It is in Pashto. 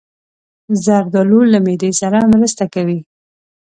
زردالو له معدې سره مرسته کوي.